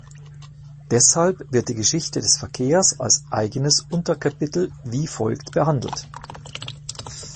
Deshalb wird die Geschichte des Verkehrs als eigenes Unterkapitel wie folgt behandelt.